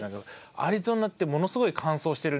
アリゾナってものすごい乾燥してるんですよ。